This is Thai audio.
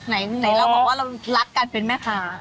ไหนเราบอกว่าเรารักกันเป็นแม่ค้า